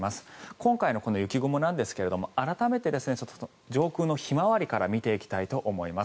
今回のこの雪雲なんですが改めて上空のひまわりから見ていきたいと思います。